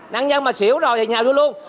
nạn nhân mà xỉu rồi thì nhà vô luôn